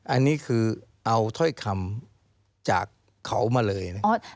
อันนี้คือเอาถ้อยคำจากเขามาเลยนะ